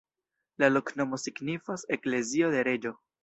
La loknomo signifas: eklezio de reĝo.